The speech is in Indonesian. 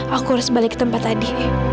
aku harus balik ke tempat tadi